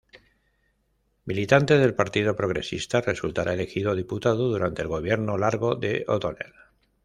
Militante del Partido Progresista resultará elegido diputado durante el gobierno largo de O´Donnell.